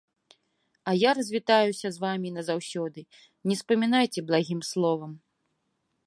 А я развітаюся з вамі назаўсёды, не спамінайце благім словам.